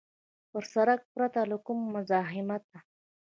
پر سړک پرته له کوم مزاحمته.